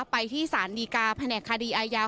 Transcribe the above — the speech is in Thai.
ไปที่สารดีกาแผนกคดีอาญา